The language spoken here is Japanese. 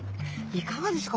いかがですか？